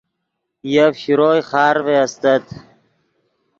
یف شروئے خارڤے استت